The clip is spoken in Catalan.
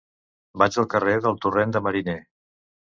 Vaig al carrer del Torrent de Mariner.